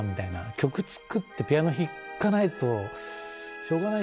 曲作ってピアノ弾かないとしょうがない